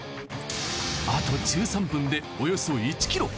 あと１３分でおよそ１ｋｍ。